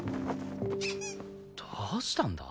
どうしたんだ？